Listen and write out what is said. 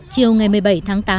chiều ngày một mươi bảy tháng tám